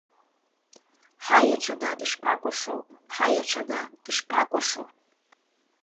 Ҳаи, аҽада, дышԥакәашо, ҳаи, аҽада, дышԥакәашо…